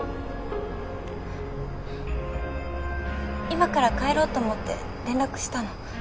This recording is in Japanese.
今から帰ろうと思って連絡したの。